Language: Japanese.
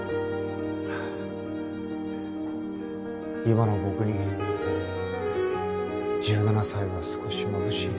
今の僕に１７才は少しまぶしい。